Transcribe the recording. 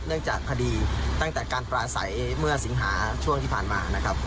จากคดีตั้งแต่การปลาใสเมื่อสิงหาช่วงที่ผ่านมานะครับ